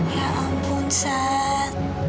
ya ampun saad